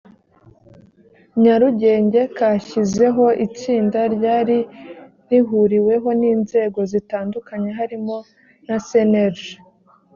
nyarugenge kashyizeho itsinda ryari rihuriweho n’inzego zitandukanye harimo na cnlg